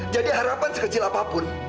jadi harapan sekecil apapun